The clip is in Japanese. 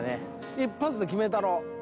一発で決めたろ。